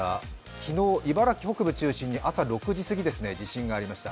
昨日茨城北部中心に朝６時過ぎ、地震がありました。